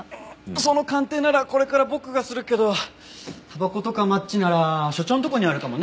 その鑑定ならこれから僕がするけどタバコとかマッチなら所長のとこにあるかもね。